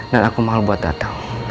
dan aku mahal untuk datang